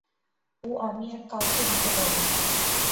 ও আমি আর কাউকে দিতে পারব না।